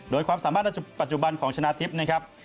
โดยความสามารถในปัจจุบันของชนะทิพย์นะครับ